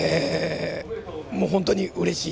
もう本当にうれしい。